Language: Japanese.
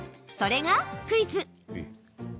それがクイズ。